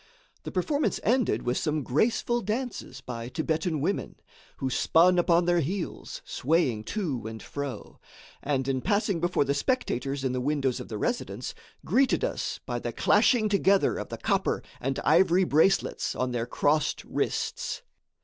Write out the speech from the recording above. The performance ended with some graceful dances by Thibetan women, who spun upon their heels, swaying to and fro, and, in passing before the spectators in the windows of the residence, greeted us by the clashing together of the copper and ivory bracelets on their crossed wrists.